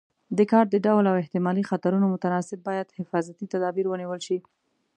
د کار د ډول او احتمالي خطرونو متناسب باید حفاظتي تدابیر ونیول شي.